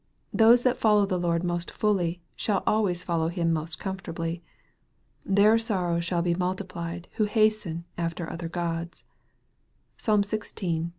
Those that follow the Lord most fully, shall always follow Him most comfortably. " Their sorrows shall be multiplied who hasten after other gods." (Psalm xvi.